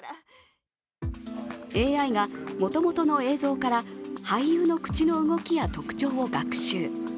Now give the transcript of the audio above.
ＡＩがもともとの映像から俳優の口の動きや特徴を学習。